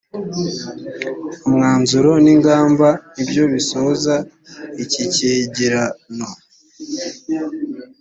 umwanzuro n ingamba nibyo bisoza iki cyegeran